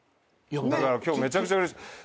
だから今日めちゃくちゃうれしいです。